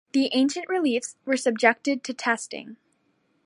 The ancient beliefs were subjected to testing.